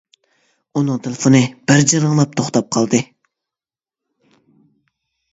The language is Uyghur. ئۇنىڭ تېلېفونى بىر جىرىڭلاپ توختاپ قالدى.